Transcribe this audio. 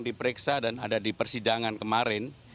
diperiksa dan ada di persidangan kemarin